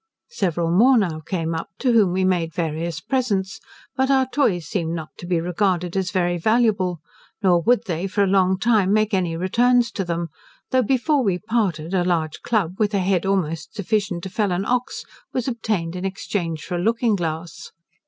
Several more now came up, to whom, we made various presents, but our toys seemed not to be regarded as very valuable; nor would they for a long time make any returns to them, though before we parted, a large club, with a head almost sufficient to fell an ox, was obtained in exchange for a looking glass.